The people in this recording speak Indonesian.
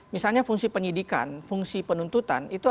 misalnya fungsi penyidikan fungsi penuntutan itu akan bermasalah